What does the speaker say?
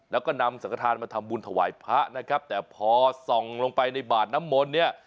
แล้วก็นำสังฆฐานมาทำบุญถวายพระนะครับแต่พอส่องลงไปในบาดน้ำมนต์เนี่ย